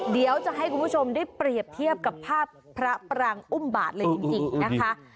เดี๋ยวจะให้คุณผู้ชมได้เปรียบเทียบกับภาพพระปรางอุ้มบาทเลยจริงนะคะ